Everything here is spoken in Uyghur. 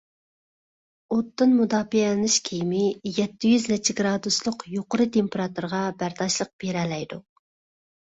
ئوتتىن مۇداپىئەلىنىش كىيىمى يەتتە يۈز نەچچە گرادۇسلۇق يۇقىرى تېمپېراتۇرىغا بەرداشلىق بېرەلەيدۇ.